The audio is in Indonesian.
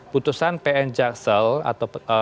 putusan pn jaksel atau